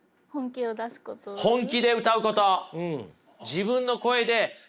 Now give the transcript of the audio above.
本気で歌うこと。